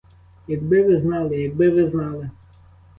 Якби ви знали, якби ви знали!